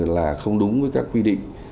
là không đúng với các quy định